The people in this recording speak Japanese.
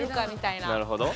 なるほど。